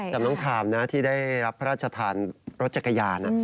จำน้องทามนะที่ได้รับพระราชทานรถจักรยาน